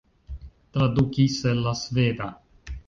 Tradukis el la sveda.